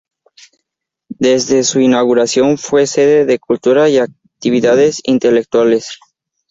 Desde su inauguración fue sede de cultura y actividades intelectuales.